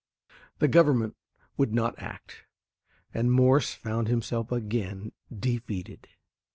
The Government would not act, and Morse found himself again defeated.